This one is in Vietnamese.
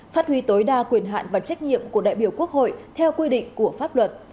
phát huy tối đa quyền hạn và trách nhiệm của đại biểu quốc hội theo quy định của pháp luật